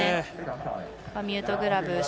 ミュートグラブ